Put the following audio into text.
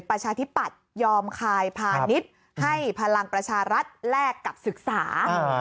ประชาธิปัตยอมคายพาณิชย์ให้พลังประชารัฐแลกกับศึกษา